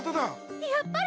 やっぱり！？